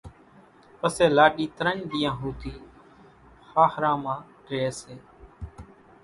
پسي لاڏِي ترڃ ۮيئان ۿوُڌِي ۿاۿران مان ريئيَ سي۔